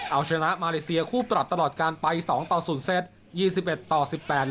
เอาชนะมาเลเซียคู่ปรับตลอดการไปสองต่อศูนย์เซตยี่สิบเอ็ดต่อสิบแปด